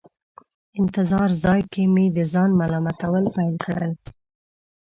انتظار ځای کې مې د ځان ملامتول پیل کړل.